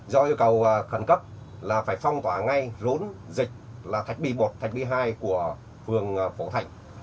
do yêu cầu khẩn cấp là phải phong tỏa ngay rốn dịch là thạch bi một thạch bi hai của phường phổ thạnh